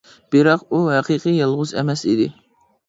بىراق، ئۇ ھەقىقىي يالغۇز ئەمەس ئىدى.